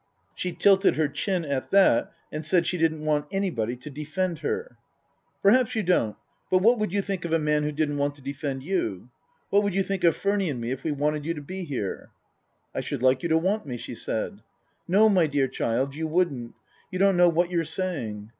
She tilted her chin at that and said she didn't want any body to defend her. " Perhaps you don't, but what would you think of a man who didn't want to defend you ? What would you think of Furny and me if we wanted you to be here ?"" I should Like you to want me," she said. " No, my dear child, you wouldn't. You don't know what you're saying."